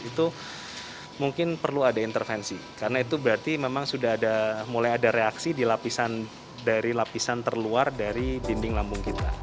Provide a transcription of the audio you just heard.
itu mungkin perlu ada intervensi karena itu berarti memang sudah mulai ada reaksi di lapisan terluar dari dinding lambung kita